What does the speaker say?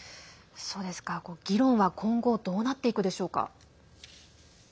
議論は今後どうなっていくでしょうか。